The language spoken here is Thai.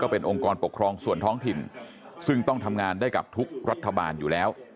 เป็นองค์กรปกครองส่วนท้องถิ่นซึ่งต้องทำงานได้กับทุกรัฐบาลอยู่แล้ว